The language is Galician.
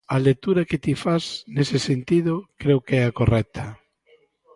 A lectura que ti fas, nese sentido, creo que é a correcta.